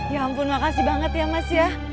ya ampun makasih banget ya mas ya